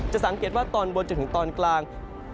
สังเกตว่าตอนบนจนถึงตอนกลาง